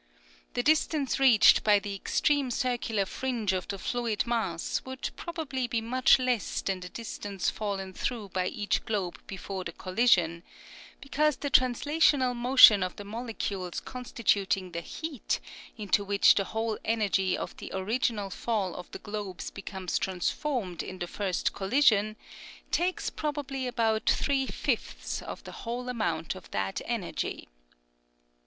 The distance reached by the extreme circular fringe of the fluid mass would probably be much less than the distance fallen through by each globe before the collision, because the translational motion oi the molecules constituting the heat into which the whole energy of the original fall of the globes becomes transformed in the first collision, takes probably about three fifths of the whole amount of that energy.